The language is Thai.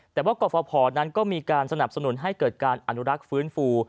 แต่ว่ากรฟภนั้นก็มีการสนับสนุนให้เกิดการอนุรักษ์ฟื้นฟู